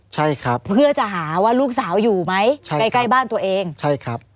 ใช่ครับเพื่อจะหาว่าลูกสาวอยู่ไหมใช่ใกล้ใกล้บ้านตัวเองใช่ครับ